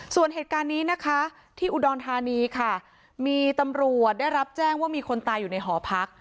ส่วนเหตุการณ์นี้นะคะที่อุดรธานีค่ะมีตำรวจได้รับแจ้งว่ามีคนตายอยู่ในหอพัก